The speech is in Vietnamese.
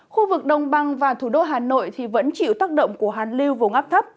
khu vực đông băng và thủ đô hà nội vẫn chịu tác động của hàn lưu vùng áp thấp